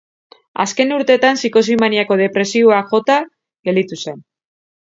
Azken urteetan psikosi maniako-depresiboak jota gelditu zen.